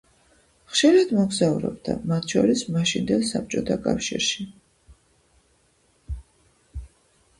ხშირად მოგზაურობდა, მათ შორის, მაშინდელ საბჭოთა კავშირში.